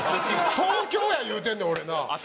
東京や言うてんねん俺なあ。